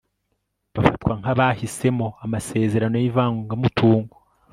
bafatwa nkabahisemo amasezerano y'ivangamutungo